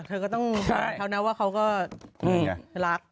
เธอก็ต้องเขานะว่าเขาก็รัก